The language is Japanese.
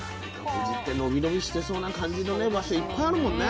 富士ってのびのびしてそうな感じの場所いっぱいあるもんね。